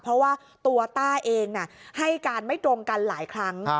เพราะว่าตัวต้าเองให้การไม่ตรงกันหลายครั้ง